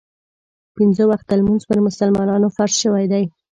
پنځه وخته لمونځ پر مسلمانانو فرض شوی دی.